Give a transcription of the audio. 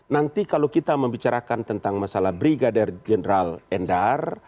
nanti kalau kita membicarakan tentang masalah brigadier general endar